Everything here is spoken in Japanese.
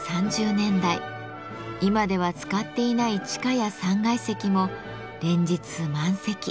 今では使っていない地下や３階席も連日満席。